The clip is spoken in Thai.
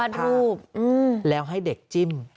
มาตรูปเออแล้วให้เด็กจิ้ม